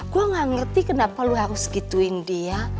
gua gak ngerti kenapa lu harus gituin dia